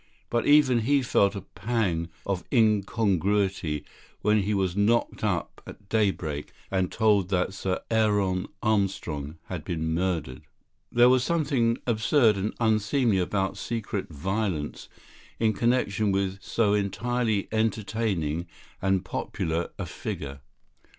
But even he felt a pang of incongruity when he was knocked up at daybreak and told that Sir Aaron Armstrong had been murdered. There was something absurd and unseemly about secret violence in connection with so entirely entertaining and popular a figure.